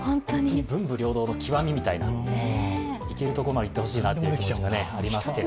文武両道の極みみたいな、いけるところまでいってほしいなという気持ちがありますね。